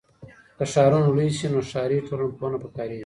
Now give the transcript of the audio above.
که ښارونه لوی سي نو ښاري ټولنپوهنه پکاریږي.